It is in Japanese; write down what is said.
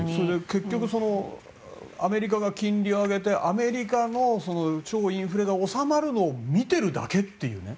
結局、アメリカが金利を上げてアメリカの超インフレが収まるのを見ているだけというね。